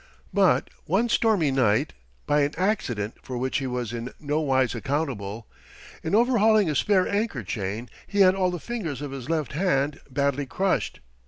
But one stormy night, by an accident for which he was in nowise accountable, in overhauling a spare anchor chain he had all the fingers of his left hand badly crushed.